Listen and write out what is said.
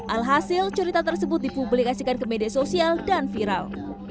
alhasil cerita tersebut dipublikasikan ke media sosial dan viral